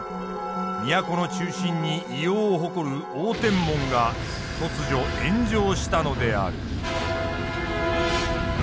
都の中心に威容を誇る応天門が突如炎上したのである。